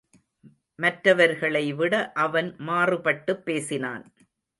மற்ற வர்களைவிட அவன் மாறுபட்டுப் பேசினான்.